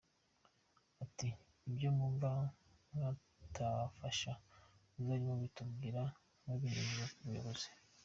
Ati “Ibyo mwumva twabafasha muzajye mubitubwira mubinyujije ku buyobozi”.